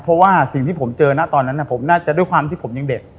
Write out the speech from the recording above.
เพราะว่าสิ่งที่ผมเจอนะตอนนั้นผมน่าจะด้วยความที่ผมยังเด็ก